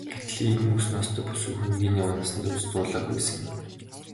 Гэтэл ийм үс ноостой бүсгүй хүнийг энэ яваа насандаа үзэж дуулаагүй сэн.